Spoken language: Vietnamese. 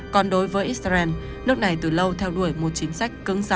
còn đối với israel nước này từ lâu theo đuổi một chính sách